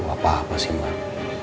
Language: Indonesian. apa apa sih mbak